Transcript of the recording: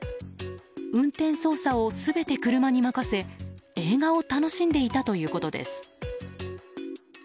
運転操作を全て車に任せ映画を楽しんでいたということです。